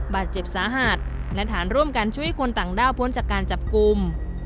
บาดเจ็บสาหัสและฐานร่วมกันช่วยคนต่างด้าวพ้นจากการจับกลุ่ม